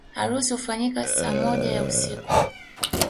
Harusi hufanyika saa moja ya usiku